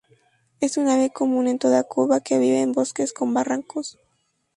Es un ave común en toda Cuba, que vive en bosques con barrancos.